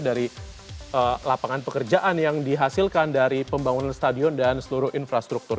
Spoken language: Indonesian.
dari lapangan pekerjaan yang dihasilkan dari pembangunan stadion dan seluruh infrastruktur